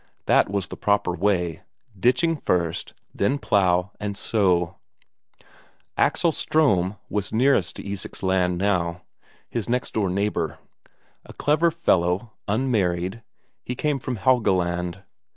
That was the proper way; ditching first, then plough and sow. Axel Ström was nearest to Isak's land now, his next door neighbour. A clever fellow, unmarried, he came from Helgeland.